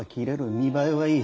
見栄えはいい。